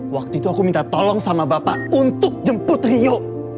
waktu itu aku minta tolong sama bapak untuk jemput rio